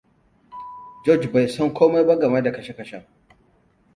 Gorege bai san komai ba game da kashe-kashen.